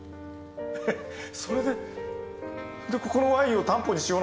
それでここのワインを担保にしようなんて。